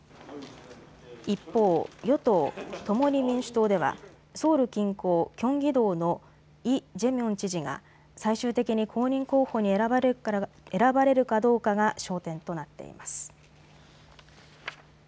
一方、与党、共に民主党ではソウル近郊キョンギ道のイ・ジェミョン知事が最終的に公認候補に選ばれるかどうかが焦点となっています。